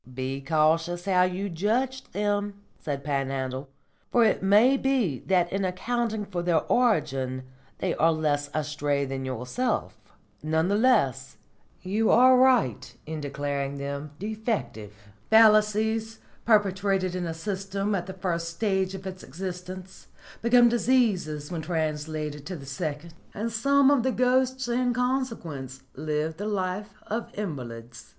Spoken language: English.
"Be cautious how you judge them," said Panhandle, "for it may be that in accounting for their origin they are less astray than yourself. None the less, you are right in declaring them defective. Fallacies perpetrated in a system at the first stage of its existence become diseases when translated to the second, and some of the ghosts in consequence live the life of invalids.